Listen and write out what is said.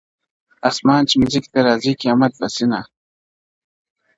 اسمان چي مځکي ته راځي قیامت به سینه!٫.